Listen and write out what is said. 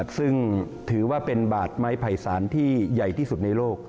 ซึ่งถือว่าเป็นบาดไม้ไผ่สารที่ใหญ่ที่สุดในโลก